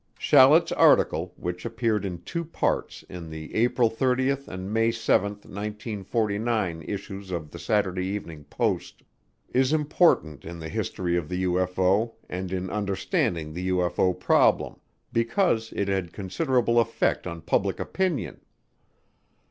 Shallet's article, which appeared in two parts in the April 30 and May 7, 1949, issues of The Saturday Evening Post, is important in the history of the UFO and in understanding the UFO problem because it had considerable effect on public opinion.